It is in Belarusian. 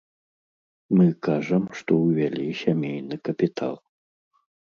Мы кажам, што ўвялі сямейны капітал.